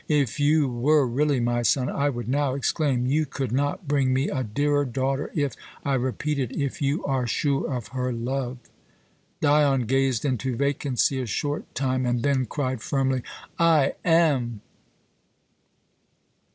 If you were really my son, I would now exclaim, 'You could not bring me a dearer daughter, if I repeat it if you are sure of her love.'" Dion gazed into vacancy a short time, and then cried firmly: "I am!"